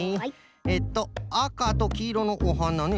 えっとあかときいろのおはなね。